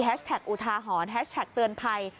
แฮชแท็กอุทาหอนแฮชแท็กเตือนภัย